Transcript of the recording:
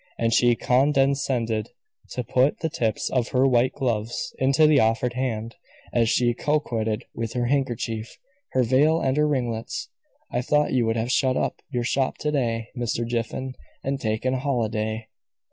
And she condescended to put the tips of her white gloves into the offered hand, as she coquetted with her handkerchief, her veil, and her ringlets. "I thought you would have shut up your shop to day, Mr. Jiffin, and taken a holiday."